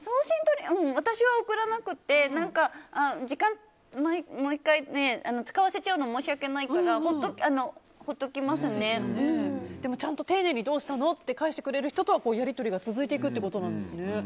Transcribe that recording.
私は送らなくて時間をもう１回使わせちゃうの申し訳ないから丁寧にどうしたの？って返してくれる人とはやり取りが続いていくってことなんですね。